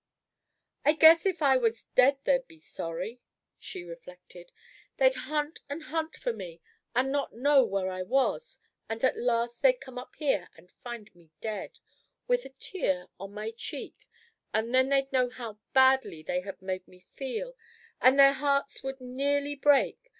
"I guess if I was dead they'd be sorry," she reflected. "They'd hunt and hunt for me, and not know where I was. And at last they'd come up here, and find me dead, with a tear on my cheek, and then they'd know how badly they had made me feel, and their hearts would nearly break.